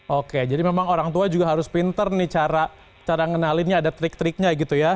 oke jadi memang orang tua juga harus pinter nih cara ngenalinnya ada trik triknya gitu ya